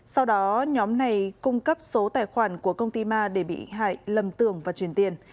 sau đó nhóm này cung cấp số tài khoản của công ty ma để bị hại lầm tưởng và truyền tiền